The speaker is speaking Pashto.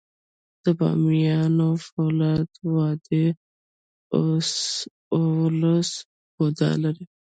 د بامیانو فولادي وادي اوولس بودا لري